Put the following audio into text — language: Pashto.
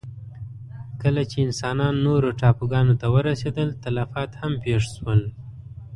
کله چې انسانان نورو ټاپوګانو ته ورسېدل، تلفات هم پېښ شول.